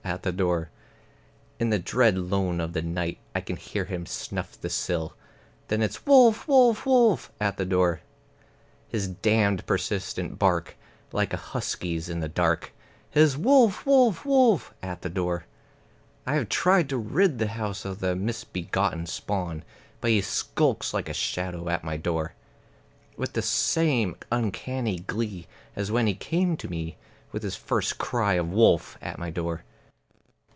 at the door. In the dread lone of the night I can hear him snuff the sill; Then it's "Wolf, wolf, wolf!" at the door; His damned persistent bark, like a husky's in the dark, His "Wolf, wolf, wolf!" at the door. I have tried to rid the house of the misbegotten spawn; But he skulks like a shadow at my door, With the same uncanny glee as when he came to me With his first cry of wolf at my door.